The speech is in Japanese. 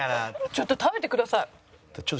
ちょっと食べてください。